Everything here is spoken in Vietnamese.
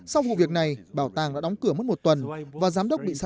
sau cuộc việc này bảo tàng đã đóng cửa mất một tuần và giám đốc bị xa thải